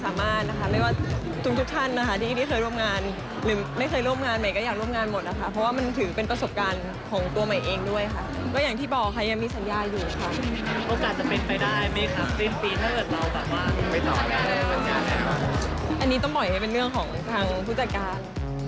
อันนี้ต้องบอกให้เป็นเรื่องของทางผู้จัดการ